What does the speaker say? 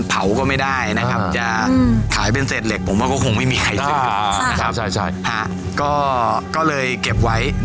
เป็นเล็กครับครับ